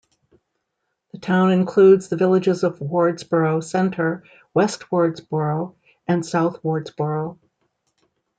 The town includes the villages of Wardsboro Center, West Wardsboro and South Wardsboro.